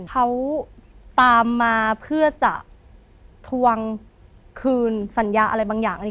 เขาตามมาเพื่อจะทวงคืนสัญญาอะไรบางอย่าง